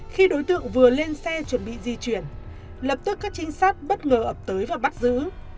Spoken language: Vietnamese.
khi đối tượng vừa lên xe chuẩn bị di chuyển lập tức các trinh sát bất ngờ ập tới và bắt giữ